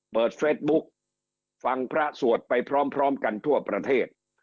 เฟสบุ๊คฟังพระสวดไปพร้อมกันทั่วประเทศ